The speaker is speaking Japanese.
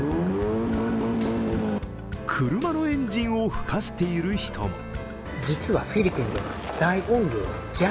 車のエンジンをふかしている人も。